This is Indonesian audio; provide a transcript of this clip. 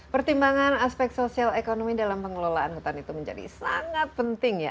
pertimbangan aspek sosial ekonomi dalam pengelolaan hutan itu menjadi sangat penting ya